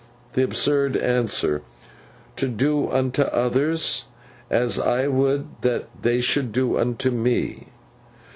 the absurd answer, 'To do unto others as I would that they should do unto me.